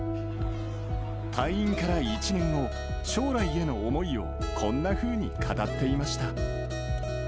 退院から１年後、将来への思いをこんなふうに語っていました。